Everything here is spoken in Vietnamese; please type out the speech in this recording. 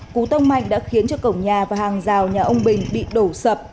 cú tông mạnh đã khiến cho cổng nhà và hàng rào nhà ông bình bị đổ sập